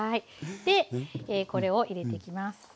でこれを入れていきます。